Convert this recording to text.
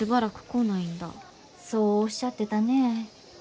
そうおっしゃってたねえ。